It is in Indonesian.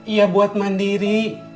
iya buat mandiri